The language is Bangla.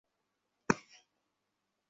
আজকের দিনটাই না কেমন যেন!